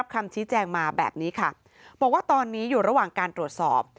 บอกว่าตอนนี้อยู่ระหว่างการตรวจสอบ